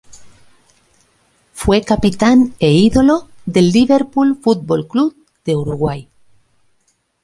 Fue capitán e ídolo del Liverpool Fútbol Club de Uruguay.